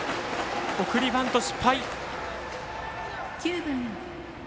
送りバント失敗。